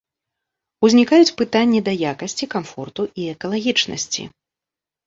Узнікаюць пытанні да якасці, камфорту і экалагічнасці.